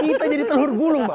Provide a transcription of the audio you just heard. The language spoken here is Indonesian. kita jadi telur gulung pak